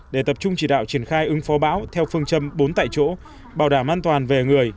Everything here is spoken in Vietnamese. để tập trung chỉ đạo triển khai ứng phó bão theo phương châm bốn tại chỗ bảo đảm an toàn về người